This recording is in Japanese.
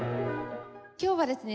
今日はですね